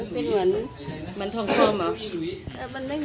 เป็นเหมือนมันท่องกล้อมเหรอ